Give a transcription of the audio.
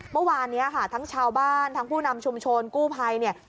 เมื่อวานนี้ค่ะทั้งชาวบ้านทั้งผู้นำชุมชนกู้ภัยเนี่ย